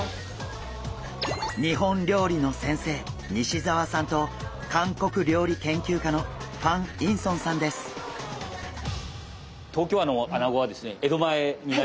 日本料理の先生西澤さんと韓国料理研究家のファン・インソンさんです。